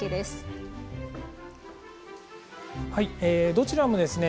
どちらもですね